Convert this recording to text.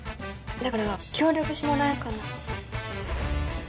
だから協力してもらえないかな？